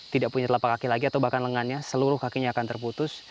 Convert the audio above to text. tidak punya telapak kaki lagi atau bahkan lengannya seluruh kakinya akan terputus